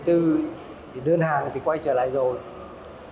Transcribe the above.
thì đơn hàng thì quay trở lại